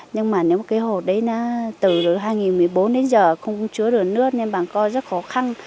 nhưng mà nếu cái hồ đấy nó từ hai nghìn một mươi bốn đến giờ không chứa được nước nên bà con rất khó khăn